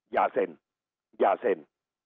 อย่าเซ็นอย่าเซ็น